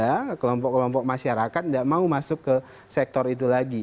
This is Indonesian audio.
nggak ada kelompok kelompok masyarakat nggak mau masuk ke sektor itu lagi